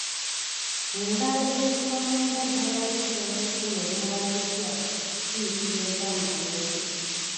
Engalo ezifaananira ddala ng’ettooke ekkulu eriwaatiddwa ziyitibwa ez’amatooke.